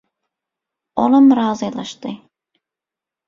Olam razylaşdy.